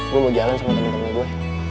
gue mau jalan sama temen temennya gue